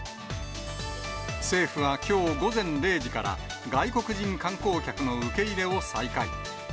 政府はきょう午前０時から、外国人観光客の受け入れを再開。